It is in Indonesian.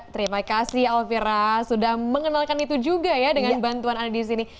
terima kasih elvira sudah mengenalkan itu juga ya dengan bantuan anda di sini